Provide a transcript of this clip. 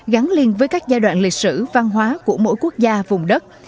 gắn liền với các giai đoạn lịch sử văn hóa của mỗi quốc gia vùng đất